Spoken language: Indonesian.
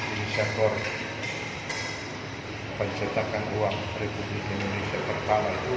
ini syakor pencetakan uang republik indonesia terkala itu